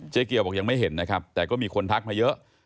เกี่ยวบอกยังไม่เห็นนะครับแต่ก็มีคนทักมาเยอะ